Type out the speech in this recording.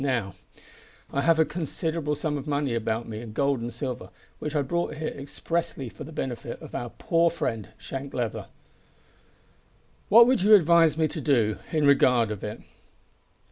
Now, I have a considerable sum of money about me in gold and silver, which I brought here expressly for the benefit of our poor friend Shank Leather. What would you advise me to do in regard to it?"